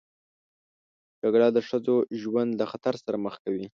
جګړه د ښځو ژوند له خطر سره مخ کوي